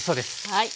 はい。